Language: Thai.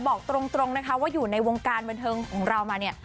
บอกตรงนะคะว่าอยู่ในวงการบันเทิงของเรามาเนี่ย